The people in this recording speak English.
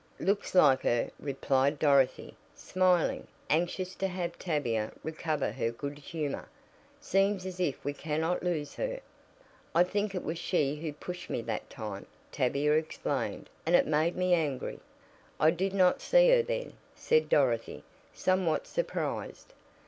"Looks like her," replied Dorothy, smiling, anxious to have Tavia recover her good humor. "Seems as if we cannot lose her." "I think it was she who pushed me that time," Tavia explained, "and it made me angry." "I did not see her then," said Dorothy, somewhat surprised.